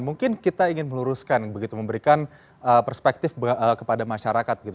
mungkin kita ingin meluruskan begitu memberikan perspektif kepada masyarakat gitu